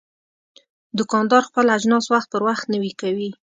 دوکاندار خپل اجناس وخت پر وخت نوی کوي.